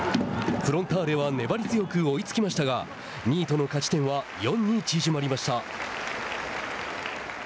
フロンターレは粘り強く追いつきましたが２位との勝ち点は４に縮まりました。